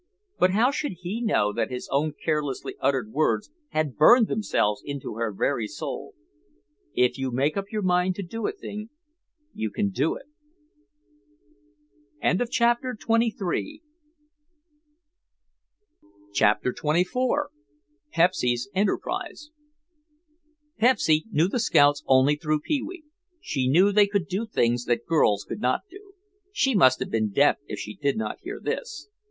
But how should he know that his own carelessly uttered words had burned themselves into her very soul? "If you make up your mind to do a thing you can do it." CHAPTER XXIV PEPSY'S ENTERPRISE Pepsy knew the scouts only through Pee wee. She knew they could do things that girls could not do. She must have been deaf if she did not hear this.